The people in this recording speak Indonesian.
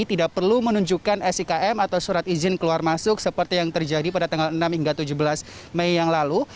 tidak perlu menunjukkan sikm atau surat izin keluar masuk seperti yang terjadi pada tanggal enam hingga tujuh belas mei yang lalu